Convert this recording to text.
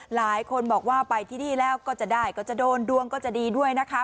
หลายคนบอกว่าไปที่นี่แล้วก็จะได้ก็จะโดนดวงก็จะดีด้วยนะคะ